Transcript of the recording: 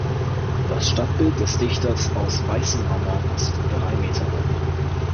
Das Standbild des Dichters aus weißem Marmor ist drei Meter hoch.